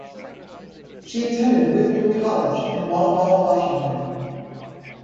She attended Whitman College in Walla Walla, Washington.